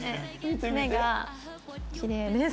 目がきれいです。